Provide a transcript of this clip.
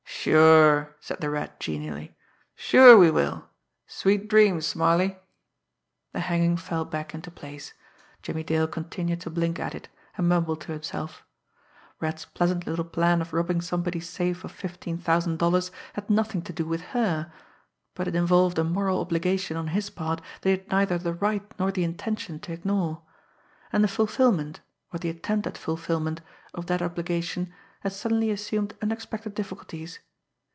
"Sure!" said the Rat genially. "Sure, we will! Sweet dreams, Smarly!" The hanging fell back into place. Jimmie Dale continued to blink at it, and mumble to himself. The Rat's pleasant little plan of robbing somebody's safe of fifteen thousand dollars had nothing to do with her but it involved a moral obligation on his part that he had neither the right nor the intention to ignore. And the fulfilment, or the attempt at fulfilment, of that obligation had suddenly assumed unexpected difficulties.